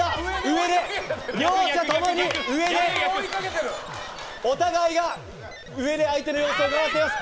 両者ともに上でお互いが上で相手の様子を伺っています。